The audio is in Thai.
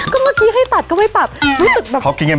ก็เมื่อกี้ให้ตัดก็ไม่ตัดรู้สึกแบบทุกคนตัดต้อน